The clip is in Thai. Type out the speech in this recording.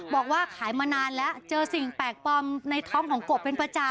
บอกว่าขายมานานแล้วเจอสิ่งแปลกปลอมในท้องของกบเป็นประจำ